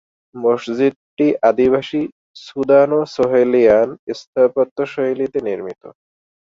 মসজিদটি আদিবাসী সুদানো-সাহেলিয়ান স্থাপত্যশৈলীতে নির্মিত।